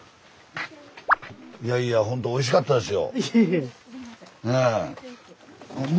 いやいやほんとおいしかったですよ。